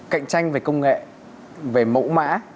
cạnh tranh về công nghệ về mẫu mã